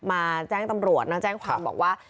แจ้งตำรวจมาแจ้งความบอกว่า